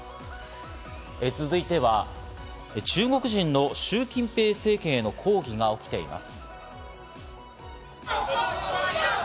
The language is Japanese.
続いては中国人のシュウ・キンペイ政権への抗議が起きています。